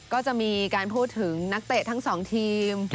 ก็จะมีการพูดถึงนักเตะทั้งสองทีม